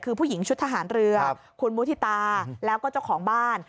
คือผู้หญิงชุดทหารเรือคุณมุฒิตาแล้วก็เจ้าของบ้าน